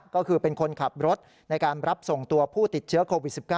ก็คือเป็นคนขับรถในการรับส่งตัวผู้ติดเชื้อโควิด๑๙